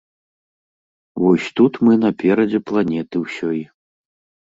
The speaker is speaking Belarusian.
Вось тут мы наперадзе планеты ўсёй.